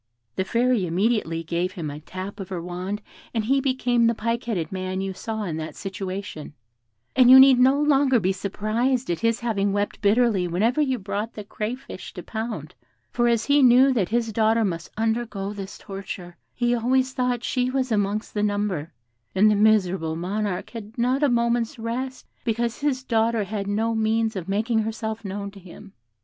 The Fairy immediately gave him a tap of her wand, and he became the pike headed man you saw in that situation; and you need no longer be surprised at his having wept bitterly whenever you brought the crayfish to pound, for as he knew that his daughter must undergo this torture, he always thought she was amongst the number; and the miserable Monarch had not a moment's rest, because his daughter had no means of making herself known to him.